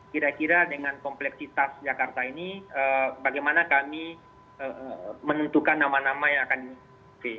kira kira dengan kompleksitas jakarta ini bagaimana kami menentukan nama nama yang akan dimiliki